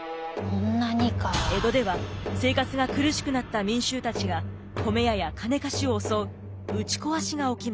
江戸では生活が苦しくなった民衆たちが米屋や金貸しを襲う打ちこわしが起きました。